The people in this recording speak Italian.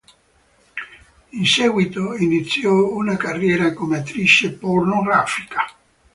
In seguito iniziò una carriera come attrice pornografica.